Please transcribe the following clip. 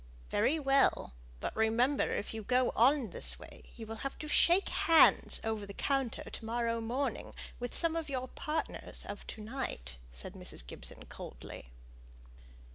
"Very well. But remember if you go on this way you will have to shake hands over the counter to morrow morning with some of your partners of to night," said Mrs. Gibson, coldly.